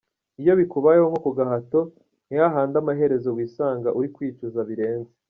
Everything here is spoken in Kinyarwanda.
Iyo bikubayeho nko kugahato ni ho hahandi amaherezo wisanga uri kwicuza birenze.